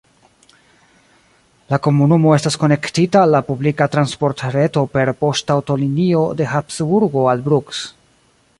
La komunumo estas konektita al la publika transportreto per poŝtaŭtolinio de Habsburgo al Brugg.